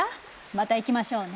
また行きましょうね。